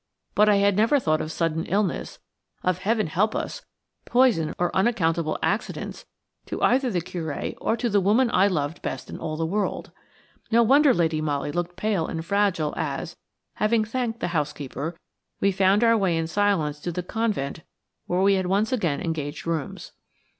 But I had never thought of sudden illnesses, of–heaven help us!–poison or unaccountable accidents to either the Curé or to the woman I loved best in all the world. No wonder Lady Molly looked pale and fragile as, having thanked the housekeeper, we found our way in silence to the convent where we had once again engaged rooms.